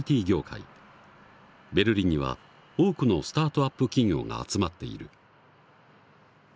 ベルリンには多くのスタートアップ企業が集まっている。